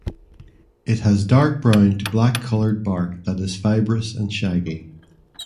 It has dark brown to black coloured bark that is fibrous and shaggy.